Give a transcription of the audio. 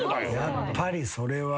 やっぱりそれは。